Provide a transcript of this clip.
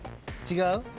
違う？